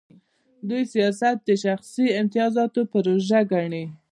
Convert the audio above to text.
دوی سیاست د شخصي امتیازاتو پروژه ګڼي.